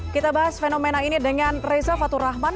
kita bahas fenomena ini dengan reza fatur rahman